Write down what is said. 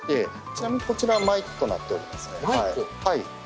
ちなみにこちらはマイクとなっておりますね。